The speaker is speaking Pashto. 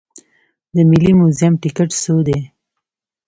د ملي موزیم ټکټ څو دی؟